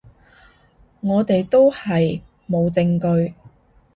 我哋都係冇證據